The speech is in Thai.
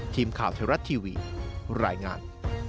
ทีมข่าวไทยรัฐทีวีรายงาน